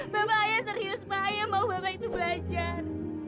bapak ayah serius pak ayah mau bapak itu belajar